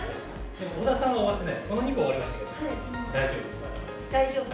大丈夫。